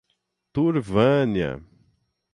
Turvânia